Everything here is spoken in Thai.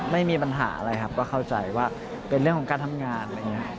ไม่มีปัญหาอะไรครับก็เข้าใจว่าเป็นเรื่องของการทำงานอะไรอย่างนี้